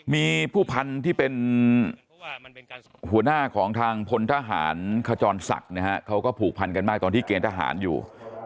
มีผู้พันธุ์ที่เป็นหัวหน้าของทางพลทหารขจรศักดิ์นะฮะเขาก็ผูกพันกันมากตอนที่เกณฑหารอยู่